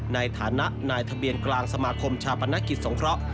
ในฐานะนายทะเบียนกลางสมาคมชาปนกิจสงเคราะห์